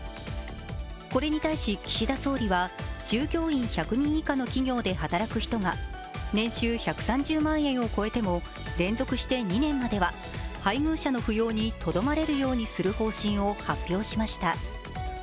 これに対し岸田総理は、従業員１００人以下の企業で働く人が年収１３０万円を超えても連続して２年前までは配偶者の扶養にとどまれるようにする方針を発表しました。